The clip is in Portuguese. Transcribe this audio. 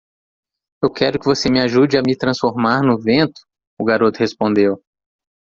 "Eu quero que você me ajude a me transformar no vento?" o garoto respondeu.